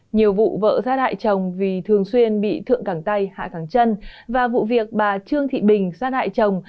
nhiều vụ vợ sát hại chồng vì thường xuyên bị thượng cẳng tay hạ thẳng chân và vụ việc bà trương thị bình sát hại chồng